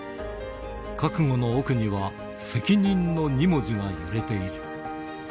覚悟の奥には、責任の２文字が揺れている。